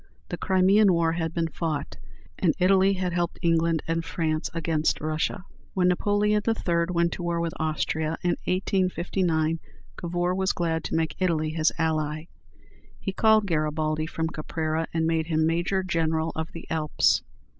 The Crimean War had been fought, and Italy had helped England and France against Russia. When Napoleon III. went to war with Austria in 1859, Cavour was glad to make Italy his ally. He called Garibaldi from Caprera, and made him Major General of the Alps.